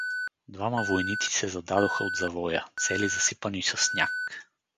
Двама войници се зададоха от завоя, цели засипани със сняг.